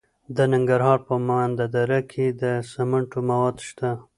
د ننګرهار په مومند دره کې د سمنټو مواد شته.